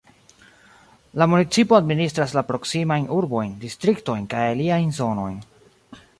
La municipo administras la proksimajn urbojn, distriktojn kaj aliajn zonojn.